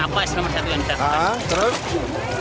nafas nomor satu yang kita lakukan